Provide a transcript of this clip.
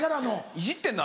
いじってんの？